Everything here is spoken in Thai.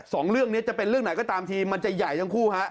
สองเรื่องนี้จะเป็นเรื่องไหนก็ตามทีมันจะใหญ่ทั้งคู่ฮะ